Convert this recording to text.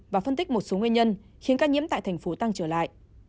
và phân tích một số nguyên nhân khiến ca nhiễm tại thành phố tăng trở lại